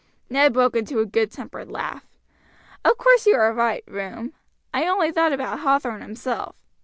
Ned broke into a good tempered laugh. "Of course you are right, Room. I only thought about Hathorn himself.